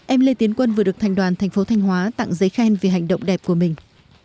em lê tiến quân vừa được thành đoàn thành phố thanh hóa tặng giấy khen vì hành động đẹp của mình